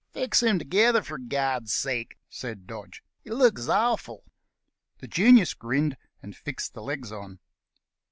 "Fix him together, for God's sake," said Dodge. "He looks awful." The Genius grinned, and fixed the legs on.